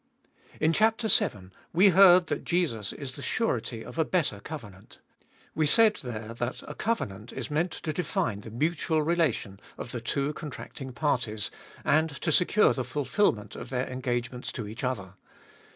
In chap. vii. we heard that Jesus is the surety of a better covenant. We said there that a covenant is meant to define the mutual relation of the two contracting parties, and to secure the fulfilment of their engagements to each other.